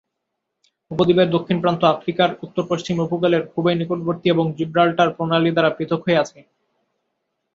উপদ্বীপের দক্ষিণ প্রান্ত আফ্রিকার উত্তরপশ্চিম উপকূলের খুবই নিকটবর্তী এবং জিব্রাল্টার প্রণালী দ্বারা পৃথক হয়ে আছে।